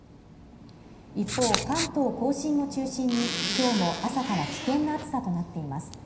一方、関東・甲信を中心に、今日も朝から危険な暑さとなっています。